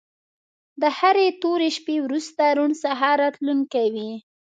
د هرې تورې شپې وروسته روڼ سهار راتلونکی وي.